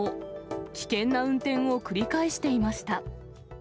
危険な運転を繰り返していました。